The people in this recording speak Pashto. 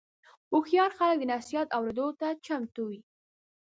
هوښیار خلک د نصیحت اورېدو ته چمتو وي.